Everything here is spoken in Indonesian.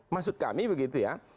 maksud kami begitu ya